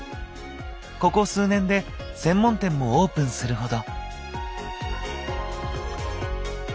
ここ数年で専門店もオープンするほど。